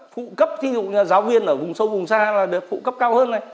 phụ cấp ví dụ giáo viên ở vùng sâu vùng xa là được phụ cấp cao hơn này